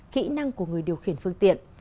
kỹ năng của người điều khiển phương tiện